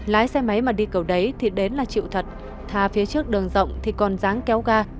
lái xe máy mà đi cầu đấy thì đến là chịu thật thà phía trước đường rộng thì còn dáng kéo ga